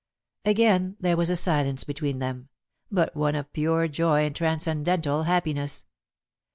Again there was a silence between them, but one of pure joy and transcendental happiness.